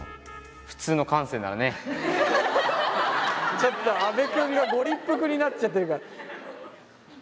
ちょっと阿部君がご立腹になっちゃってるから。